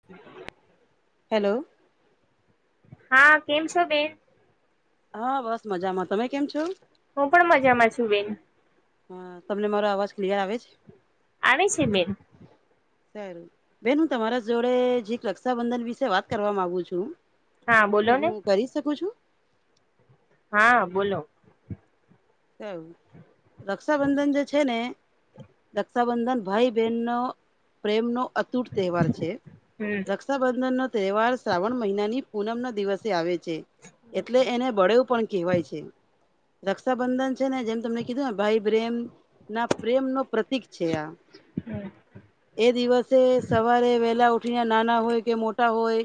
[inaudible] Hello. હા કેમ છો બેન? હા બસ મજામાં તમે કેમ છો? હું પણ મજામાં છું બેન. હા તમને મારો અવાજ ક્લિયર આવે છે. આવે છે બેન સારુ બેન હું તમારા જોડે જીરીક રક્ષાબંધન વિશે વાત કરવા માગુ છું હા બોલો તો ને હું કરી શકું છું? હા બોલો. [inaudible] રક્ષાબંધન જે છે ને રક્ષાબંધન ભાઈ બહેન નો પ્રેમનો અતૂટ તહેવાર છે હમ રક્ષા રક્ષાબંધનનો તહેવાર શ્રાવણ મહિનાની પૂનમના દિવસે આવે છે. એટલે એને બળેવું પણ કેહેવાય છે. રક્ષાબંધન છે ને જેમ તમને કીધું ને ભાઈ પ્રેમ ના પ્રેમ નો પ્રતીક છે આ હમ એ દિવસે સવારે વેલા ઉઠીને નાના હોય કે મોટા હોય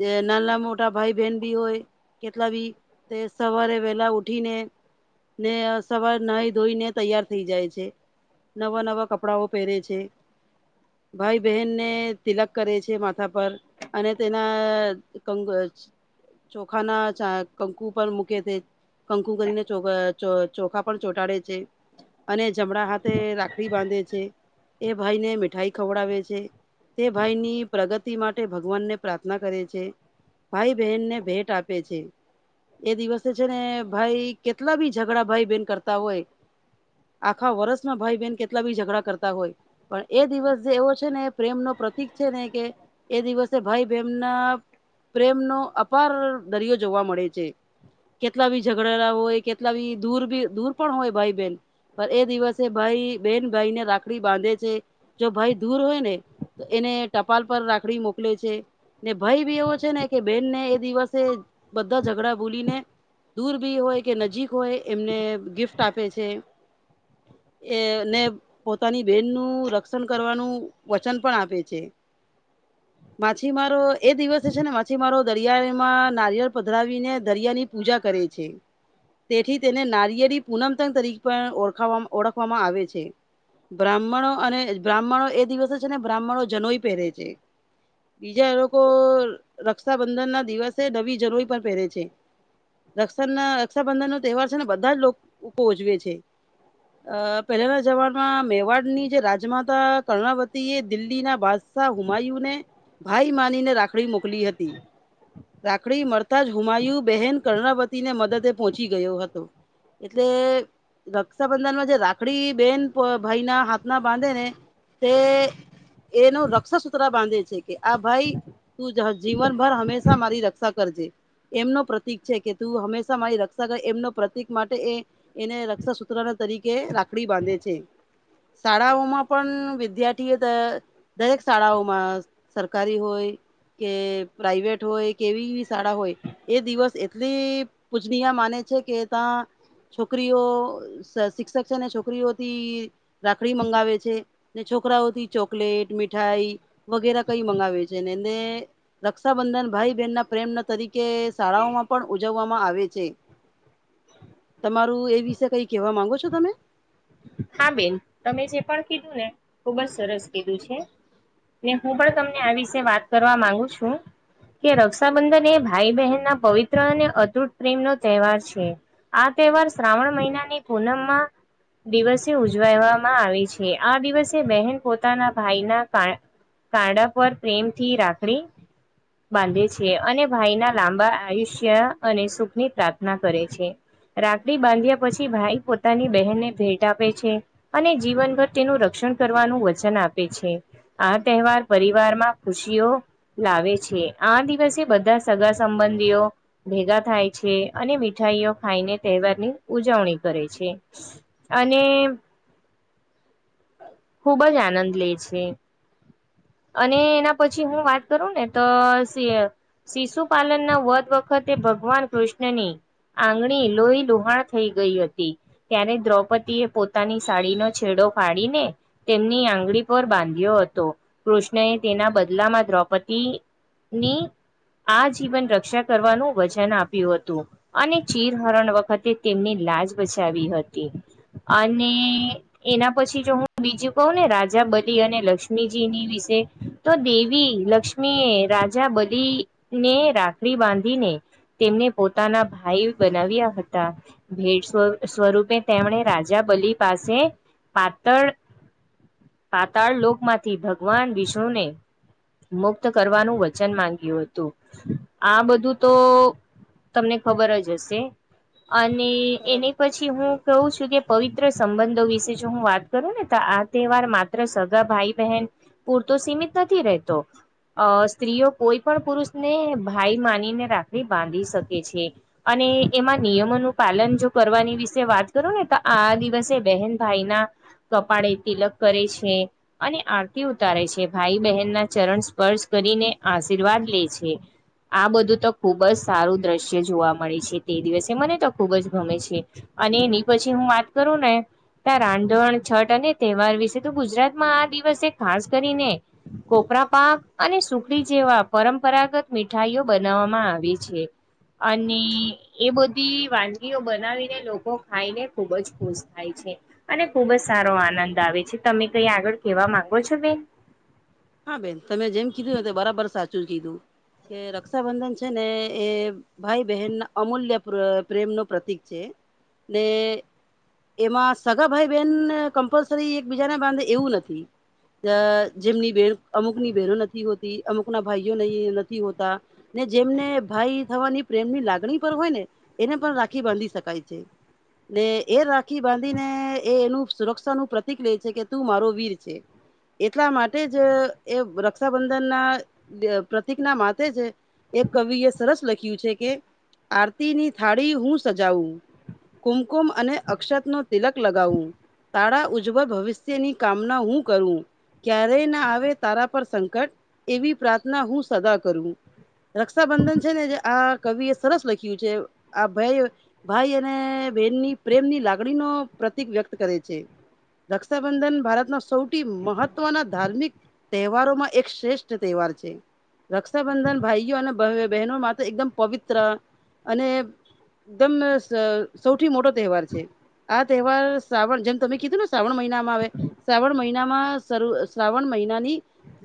જે નાના મોટા ભાઈ બહેન ભી હોય કેટલા બી તે સવારે વેલા ઉઠીને ને સવાર નાઈ ધોઈને તૈયાર થઈ જાય છે. નવા નવા કપડાંઓ પહેરે છે. ભાઈ બહેનને તિલક કરે છે માથા પર અને તેના કંગજ ચોખા ના ચા કંકુ પર મૂકે તે કંકુ કરીને ચોખા ચો ચોખા પણ ચોંટાડે છે અને જમણા હાથે રાખડી બાંધે છે. એ ભાઈ ને મીઠાઈ ખવડાવે છે. તે ભાઈ ની પ્રગતિ માટે ભગવાન ને પ્રાર્થના કરે છે. ભાઈ બહેનને ભેટ આપે છે એ દિવસે છે ને ભાઈ કેટલા બી ઝઘડા ભાઈ બેહેન કરતા હોય આખા વર્ષમાં ભાઈ બહેન કેટલા બી ઝઘડા કરતા હોય પણ એ દિવસ જે એવો છે ને પ્રેમ નો પ્રતિક છે ને કે એ દિવસે ભાઈ બહેન ના પ્રેમનો અપાર દરિયો જોવા મળે છે. કેટલા બી ઝઘડલા હોય કેટલા બી દૂરી દૂર પણ હોય ભાઈ બેેન. પણ એ દિવસે ભાઈ બેન ભાઈ ને રાખડી બાંધે છે, જો ભાઈ દૂર હોય ને તો એને ટપાલ પર રાખડી મોકલે છે. ને ભાઈ બી એવો છે ને કે બેન ને એ દિવસે બધા ઝઘડા ભૂલીને દૂર બી હોય કે નજીક હોય એમને ગિફ્ટ આપે છે. એ ને પોતાની બેન નું રક્ષણ કરવાનું વચન પણ આપે છે. માછીમારો એ દિવસે છે ને માછીમારો દરિયામાં નારિયળ પધરાવીને દરિયાની પૂજા કરે છે. તેથી તેને નારિયેળી પૂનમતંગ તરીકે પણ ઓળખ ઓળખવામાં આવે છે. બ્રાહ્મણો અને બ્રાહ્મણો એ દિવસે છે ને બ્રાહ્મણો જનોય પહેરે છે. બીજા એ લોકો રક્ષાબંધન ના દિવસે નવી જરોઈ પણ પહેરે છે. રક્ષા ના રક્ષાબંધન નો તહેવાર છે ને બધા જ લોકો ઉજવે છે. અ પહેલાના જમામાં મેવાડ ની જે રાજમાતા કર્ણાવતી એ દિલ્હી ના શ હુમાયુને ભાઈ માનીને રાખડી મોકલી હતી. રાખડી મળતા જ હુમાયું બહેન કર્ણવતીને મદદે પહોંચી ગયો હતો. એટલે રક્ષાબંધનમાં જે રાખડી બેન ભાઈના હાથના બાંધે ને, તે એનો રક્ષા સુત્રરા બાંધે છે કે આ ભાઈ તું જીવનભર હંમેશા મારી રક્ષા કરજે, એમનું પ્રતિક છે કે તું હંમેશા મારી રક્ષ ર એમનો પ્રતિક માટે એ એને રક્ષા સૂત્રના તરીકે રાખડી બાંધે છે. શાળાઓમાં પણ વિદ્યાર્થીઓ દરેક શાળાઓમાં સરકારી હોય. કે પ્રાઈવેટ હોય કેવી શાળા હોય, એ દિવસ એટલી પૂજનીયા મા કે ત્યાં, છોકરીઓ શિક્ષક છે ને છોકરીઓથી રાખડી મંગાવે છે, ને છોકરાઓથી ચોકલેટ મીઠાઈ. વગેરેરા કઈ મંગાવે છે ને એને રક્ષાબંધન ભાઈ બહેન ના પ્રેમ તરીકે શાળાઓમાં પણ ઉજવવામાં આવે છે. તમારું એ વિશે કઈ કેવા માંગો છો તમે? હા બેન તમે જે પણ કીધું ને ખુબ જ સરસ કીધું છે. હું પણ તમને આ વિશે વાત કરવા માંગુ છું. કે રક્ષાબંધન એ ભાઈ બહેન ના પવિત્ર અને અતુટ પ્રેમનો તહેવાર છે. આ તહેવાર શ્રાવણ મહિનાની પૂનમમાં દિવસે ઉજવાવામાં આવી છે આ દિવસે બહેન પોતાના ભાઈના ક કાંડા પર પ્રેમ થી રાખડી બાંધે છે અને ભાઈના લાંબા આયુષ્ય અને સુખ ની પ્રાર્થના કરે છે. રાખડી બાંધ્યા પછી ભાઈ પોતાની બહેનને ભેટ આપે છે અને જીવનભર તેનું રક્ષણ કરવાનું વચન આપે છે. આ તહેવાર પરિવાર માં ખુશીઓ. લાવે છે આ દિવસે બધા સગા સંબંધીઓ ભેગા થાય છે અને મીઠાઈઓ ખાઈને તહેવારની ઉજવણી કરે છે. અને ખુબજ આનંદ લે છે. અને એના પછી હું વાત કરું ને તો શિશુ પાલનના વધ વખતે ભગવાન કૃષ્ણની આંગણી લોહી લુહાણ થઈ ગઈ હતી ત્યારે દ્રૌપદી એ પોતાની સાડીનો છેડો ફાડીને. તેમની આંગળી પર બાંધ્યો હતો કૃષ્ણએ તેના બદલામાં દ્રૌપદી. ની આ જીવન રક્ષા કરવાનું વચન આપ્યું હતું. અને ચીર હરણ વખતે તેમની લાજ બચાવી હતી. અને એના. પછી જો હું બીજું કહું ને રાજા બદી અને લક્ષ્મીજી ની વિશે તો દેવી લક્ષ્મી. મી રાજા બલી ને રાખડી બાંધીને. તેમને પોતાના ભાઈ બનાવ્યા હતા. ભેટ સ્વ સ્વરૂપે તેમણે રાજા બલી પાસે પાતળ. પાતાળ લોક માંથી ભગવાન વિષ્ણુને. મુક્ત કરવાનું વચન માંગ્યું હતું આ બધું તો. તમને ખબર જ હશે. અને બરાબર એની પછી હું કવું છું કે પવિત્ર સંબંધો વિશે. જો હું વાત કરું ને તો આ તહેવાર માત્ર સગા ભાઈ બહેન. પૂરતો સીમિત નથી રહેતો. અ સ્ત્રીઓ કોઈ પણ પુરુષને ભાઈ માનીને રાખડી બાંધી શકે છે. અને એમાં નિયમોનું પાલન જો કરવાની વિશે વાત કરું ને તો આ દિવસે બહેન. ભાઈ ના કપાળે તિલક કરે છે. અને આરતી ઉતારે છે ભાઈ બહેનના ચરણ સ્પર્શ કરીને આશીર્વાદ લે છે. આ બધું તો ખૂબ જ સારું દ્રશ્ય જોવા મળે છે તે દિવસે મને તો ખૂબ જ ગમે છે. અને એની પછી હું વાત કરું ને. ત્યાં રાંધણ છઠ અને તહેવાર વિશે તો ગુજરાતમાં આ દિવસે ખાસ કરીને. કોપરા પાક અને સુખડી જેવા પરંપરાગત મીઠાઈઓ બનાવવામાં આવે છે. અને. એ બધી વાનગીઓ બનાવીને લોકો ખાઈને ખુબજ ખુશ થાય છે. અને ખુબ જ સારો આનંદ આવે છે તમે કઈ આગળ કેવા માંગો છો બેન. હા બેન તમે જેમ કીધું ને તે બરાબર સાચું જ કીધું કે રક્ષાબંધન છે ને એ. ભાઈ બહેનના અમૂલ્ય પ્રેમ નો પ્રતિક છે ને. એમાં સગાભાઈ બેહેન કમ્પલસરી એક બીજા ને બાંધે એવું નથી. જેમની બેન અમુકની બેહેનો નથી હોતી અમુક ના ભાઈઓ નથી હોતા. ને જેમને ભાઈ થવાની પ્રેમ ની લાગણી પર હોય ને એને પણ રાખી બાંધી શકાય છે. ને એ રાખી બાંધીને એ એનું સુરક્ષા નું પ્રતીક લે છે કે તું મારો વીર છે. એટલા માટે જ એ રક્ષાબંધન ના પ્રતિક ના માથે જ એક કવિ એ સરસ લખ્યું છે કે આરતીની થાળી હું સજાવું. કુમકુમ અને અક્ષત નો તિલક લગાવવું. તારા ઉજ્જવળ ભવિષ્યની કામના હું કરું ક્યારેય ના આવે. તારા પર સંકટ એવી પ્રાર્થના હું સદા કરું. રક્ષાબંધન છે ને જે આ કવિ એ સરસ લખ્યું છે આ ભાઈ ભાઈ અને બેનની પ્રેમની લાગણી નો પ્રતિક વ્યક્ત કરે છે. રક્ષાબંધન ભારતના સૌથી મહત્વના ધાર્મિક. તહેવારોમાં એક શ્રેષ્ઠ તહેવાર છે. રક્ષાબંધન ભાઈઓ અને બહેનો માટે એકદમ પવિત્ર અને. દમનં સ સૌથી મોટો તહેવાર છે. આ તહેવાર શ્રાવણ જેમ તમે કીધું ને શ્રાવણ મહિનામાં આવે. શ્રાવણ મહિનામાં શરૂ શ્રાવણ મહિનાની.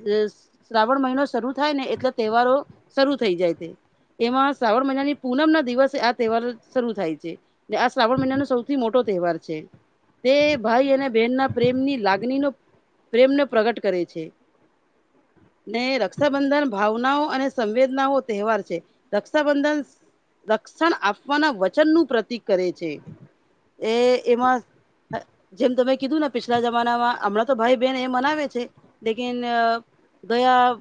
[inaudible] શ્રાવણ મહિનો શરૂુ થાય ને એટલે તહેવારો શરૂુ થઈ જાય છે. એમાં શ્રાવણ મહિનાની પૂનમ ના દિવસે આ તહેવાર શરૂુ થાય છે. ને આ શ્રાવણ મહિનાનો સૌથી મોટો તહેવાર છે. તે ભાઈ અને બહેનના પ્રેમની લાગણીનો પ્રેમનો પ્રગટ કરે છે. ને રક્ષાબંધન ભાવનાઓ અને સંવેદનાઓ તહેવાર છે રક્ષાબંધન. રક્ષણ આપવાના વચનનુંપ્રતીિક કરે છે એ એમાં જેમ તમે કીધું ને પિછલા જમાનામાં હમણાં તો ભાઈ બેહેન એ મનાવે છે કે ન ગયાં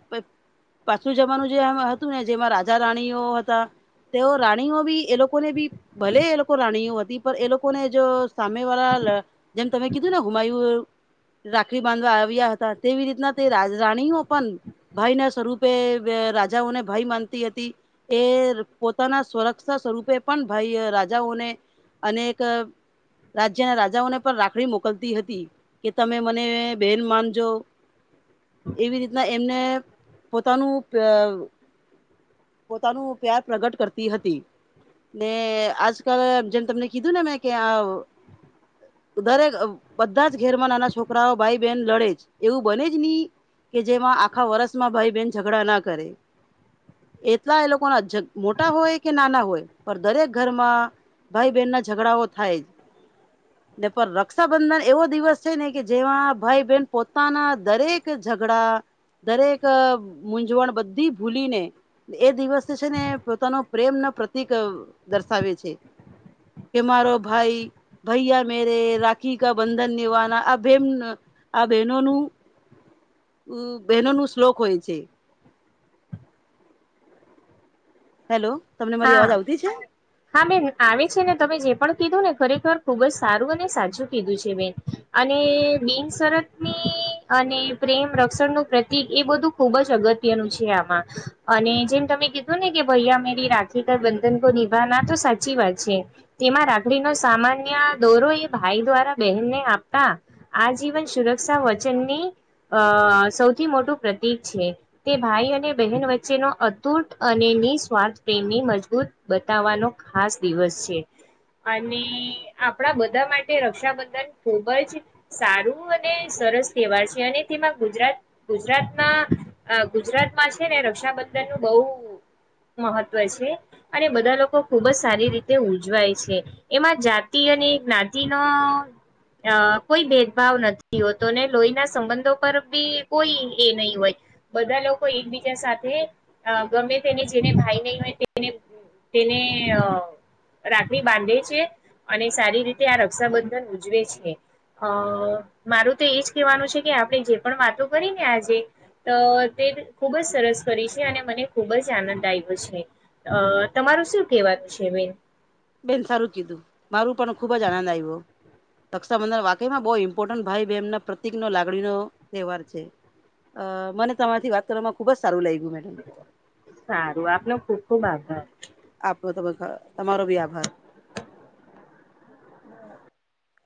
પાછું જમાનું જે હતું ને જેમાં રાજા રાણીઓ હતા તેઓ રાણીઓ બી એ લોકોને બી ભલે એ લોકો રાણીઓ હતી પણ એ લોકોને જો સામે વાળા લ જેમ તમે કીધું ને હુમાયું રાખડી બાંધવા આવ્યા હતા તેવી રીતના તે રાજ રાણીઓ પણ ભાઈ ના સ્વરૂપે રાજાઓને ભાઈ માનતી હતી એ પોતાના સુવરક્ષા સ્વરૂપે પણ ભાઈ રાજાઓને અનેક રાજ્યના રાજાઓને પણ રાખડી મોકલતી હતી કે તમે મને બેહેન માનજો એવી રીતના એમને પોતાનું પઅ પોતાનું પ્યાર પ્રગટ કરતી હતી ને આજકાલ જેમ તમને કીધું ને મેં કે આ દરેક બધા જ ઘેર માં નાના છોકરાઓ ભાઈ બહેન લડે જ એવું બને જ ની કે જેમાં આખા વર્ષમાં ભાઈ બેહેન ઝઘડા ના કરે એટલા એ લોકો ના મોટા હોય કે નાના હોય પણ દરેક ઘરમાં ભાઈ બેહેન ના ઝઘડાઓ થાય ને પણ રક્ષાબંધન એવો દિવસ છે ને કે જેમાં ભાઈ બહેન પોતાના દરેક ઝઘડા દરેક મૂઝવણ બધી ભૂલીને એ દિવસ જે છે ને પોતાનો પ્રેમ ન પ્રતિક દર્શાવે છે કે મારો ભાઈ ભૈયાર મેરે રાખી કા બંધન નિભા ના આ બેન આ બહેનોનું ઉ બહેનો નું શ્લોક હોય છે હેલો તમને મારી હા અવાજ આવતી છે હા બેન આવે છે ને તમે જે પણ કીધું ને ખરેખર ખુબ જ સારું અને સાચું કીધું છે બેન અને બિનસરતની અને પ્રેમ રક્ષણનું પ્રતિક એ બધું ખુબ જ અગત્યનું છે આમાં અને જેમ તમે કીધું ને કે ભૈયા મેરી રાખી કે બંધન કો નિભાણા તો સાચી વાત છે તેમાં રાખડીનો સામાન્ય દોરો એ ભાઈ દ્વારા બહેનને આપતા આજીવન સુરક્ષા વચનની અ સૌથી મોટું પ્રતીક છે તે ભાઈ અને બહેન વચ્ચેનો અતૂટ અને નિસ્વાર્થ તેમની મજબૂત બતાવવાનો ખાસ દિવસ છે અને આપણા બધા માટે રક્ષાબંધન ખૂબ જ સારું અને સરસ તહેવાર છે અને તેમાં ગુજરાત ગુજરાતમાં ગુજરાતમાં છે ને રક્ષાબંધન નું બોહ મહત્વ છે અને બધા લોકો ખુબ જ સારી રીતે ઉજવાય છે એમાં જાતિ અને જ્ઞાતિ નો અ કોઈ ભેદભાવ નથી હોતો ને લોહી ના સંબંધો પર બી કોઈ એ નહી હોય. બધા લોકો એકબીજા સાથે, ગમે તેને જેને ભાઈ નહી હોય તેને તની અ રાખડી બાંધે છે, અને સારી રીતે આ રક્ષાબંધન ઉજવે છે. અ મારું તો એજ કહેવાનું છે કે આપણે જે પણ વાતો કરી ને આજે. તો તે ખૂબ જ સરસ કરી છે અને મને ખૂબ જ આનંદ આવી તમારું શું કેવાનું છેન? બેન સારું કીધું મારું પણ ખુબ જ આનંદ આવ્યો. કક્ષાબંધર વાકઈમાં બહ ઇમ્પોર્ટન્ટ ભાઈમ પ્રતિકનોો લાગણીનો તહેવાર છે. અ મને તમારથી વાત કરવામાં ખુબ જ સારું લાગ્યું મે. સારું આપનો ખુબ ખુબ આભાર. આપો તમે તમારો ભી આભાર.